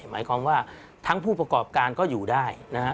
หมายความว่าทั้งผู้ประกอบการก็อยู่ได้นะฮะ